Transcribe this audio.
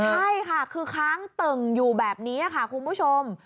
ใช่ค่ะคือค้างตึ่งอยู่แบบนี้ค่ะคุณผู้ชม